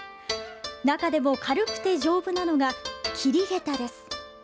中でも軽くて丈夫なのが桐げたです。